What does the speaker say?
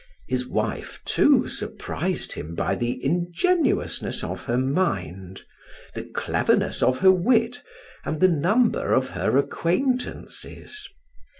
His wife, too, surprised him by the ingenuousness of her mind, the cleverness of her wit, and the number of her acquaintances.